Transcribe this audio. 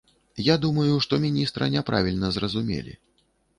Я думаю, што міністра няправільна зразумелі.